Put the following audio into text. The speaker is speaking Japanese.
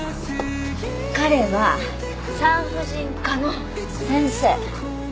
彼は産婦人科の先生。